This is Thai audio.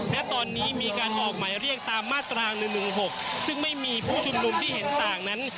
และตอนนี้มีการออกหมายเรียกตามมาตรา๑๑๖ซึ่งไม่มีผู้ชุมนุมที่เห็นต่างนั้น